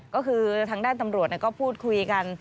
ก็คือทางด้านตำรวจก็พูดคุยกัน